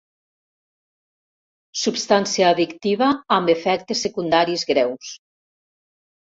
Substància addictiva amb efectes secundaris greus.